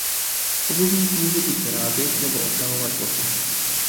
Obuvník může buď vyrábět nebo opravovat boty.